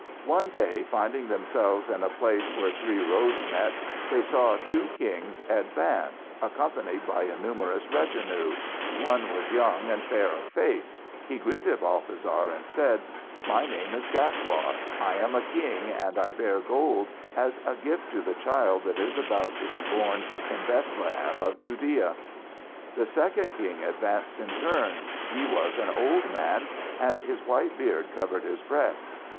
One day, finding themselves in a place where three roads met, they saw two kings advance accompanied by a numerous retinue; one was young and fair of face. He greeted Balthasar and said: "My name is Gaspar. I am a king, and I bear gold as a gift to the child that is about to be born in Bethlehem of Judea." The second king advanced in turn. He was an old man, and his white beard covered his breast.